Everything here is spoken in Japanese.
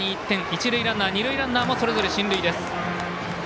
一塁ランナー、二塁ランナーもそれぞれ進塁です。